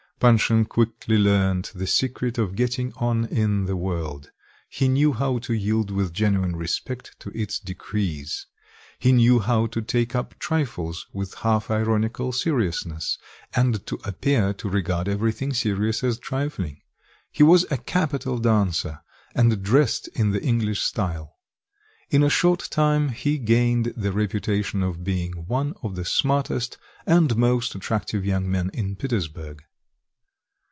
Panshin quickly learnt the secret of getting on in the world; he knew how to yield with genuine respect to its decrees; he knew how to take up trifles with half ironical seriousness, and to appear to regard everything serious as trifling; he was a capital dancer; and dressed in the English style. In a short time he gained the reputation of being one of the smartest and most attractive young men in Petersburg.